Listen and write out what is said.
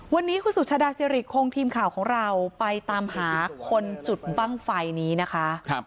วันนี้คุณสุชาดาสิริคงทีมข่าวของเราไปตามหาคนจุดบ้างไฟนี้นะคะ